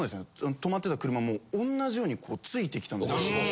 停まってた車も同じように付いてきたんですよ。